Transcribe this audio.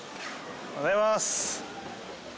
おはようございます。